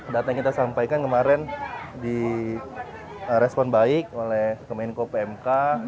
data yang kita sampaikan kemarin di respon baik oleh kemenko pmk